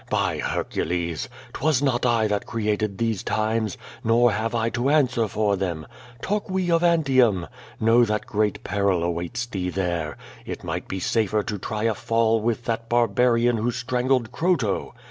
By Hercules! 'Twas not I that creati'<l these times, nor have I to answer for them. Talk we of Antium. Know that great ])eril awaits thee there. It nii*:lit be safer to try a fall with that barbarian who strangled Croto.